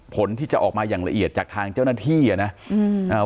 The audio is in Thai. ผลที่จะออกมาอย่างละเอียดจากทางเจ้าหน้าที่อ่ะนะอืมอ่า